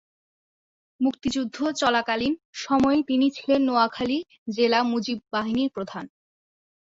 মুক্তিযুদ্ধ চলাকালীন সময়ে তিনি ছিলেন নোয়াখালী জেলা মুজিব বাহিনীর প্রধান।